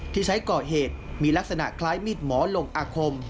ที่ใช้ก่อเหตุมีลักษณะคล้ายมีดหมอลงอาคม